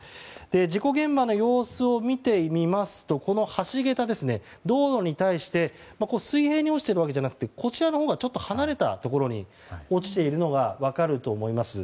事故現場の様子を見てみますとこの橋桁、道路に対して水平に落ちているわけじゃなくて離れたところに落ちているのが分かると思います。